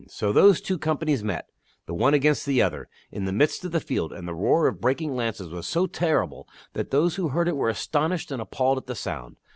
So those two companies met, the one against the other, in the midst of the field, and the roar of breaking lances was so terrible that those who heard it were astonished and appalled at the sound.